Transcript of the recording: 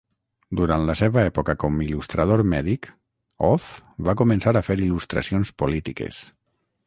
Durant la seva època com il·lustrador mèdic, Auth va començar a fer il·lustracions polítiques.